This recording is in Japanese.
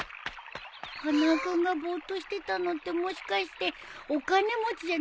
花輪君がぼーっとしてたのってもしかしてお金持ちじゃなくなったから？